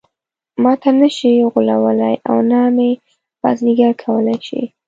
ماته نه شي غولولای او نه مې بازيګر کولای شي.